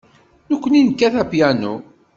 Nekkni nekkat apyanu.